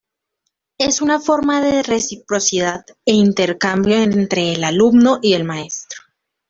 Es una forma de reciprocidad e intercambio entre el alumno y su maestro.